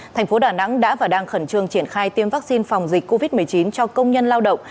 thành phố đà nẵng đã và đang khẩn trương triển khai tiêm vaccine phòng dịch covid một mươi chín cho công nhân lao động